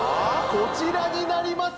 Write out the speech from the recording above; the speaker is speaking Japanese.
こちらになります